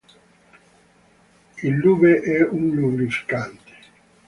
Il lube è un lubrificante.